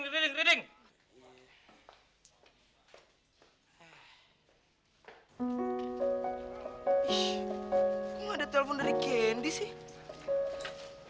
kenapa tidak ada telepon dari kendi sih